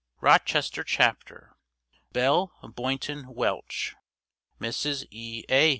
ROCHESTER CHAPTER BELLE BOYNTON WELCH (Mrs. E. A.